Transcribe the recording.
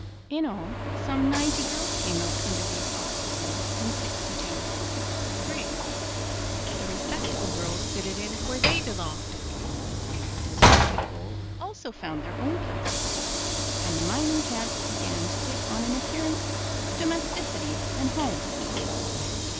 In all, some ninety girls came out under these auspices in '62 '63. The respectable girls fitted in where they belonged. The disreputable also found their own places. And the mining camp began to take on an appearance of domesticity and home.